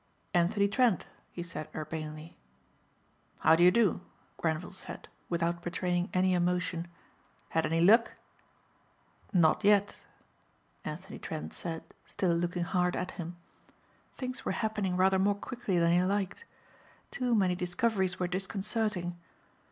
"Anthony Trent," he said urbanely. "How do you do," Grenvil said without betraying any emotion. "Had any luck?" "Not yet," Anthony Trent said still looking hard at him. Things were happening rather more quickly than he liked. Too many discoveries were disconcerting.